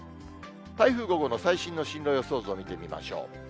台風５号の最新の進路予想図を見てみましょう。